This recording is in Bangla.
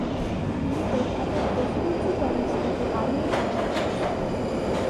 তিনি কলকাতা প্রেসিডেন্সি কলেজ থেকে আইএ পাশ করেন।